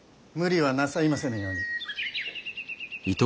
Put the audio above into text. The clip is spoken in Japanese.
無理はなさいませぬように。